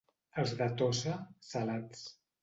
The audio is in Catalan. Els de Tossa, salats.